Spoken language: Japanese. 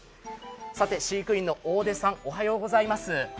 飼育員の大出さんおはようございます。